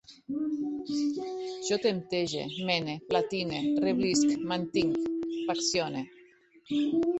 Jo temptege, mene, platine, reblisc, mantinc, paccione